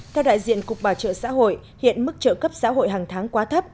theo đại diện cục bảo trợ xã hội hiện mức trợ cấp xã hội hàng tháng quá thấp